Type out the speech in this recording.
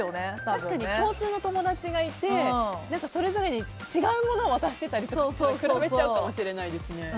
確かに共通の友達がいてそれぞれに違うものを渡していたりすると比べちゃうかもしれないですね。